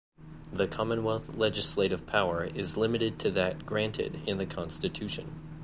The Commonwealth legislative power is limited to that granted in the Constitution.